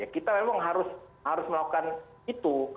kita memang harus melakukan itu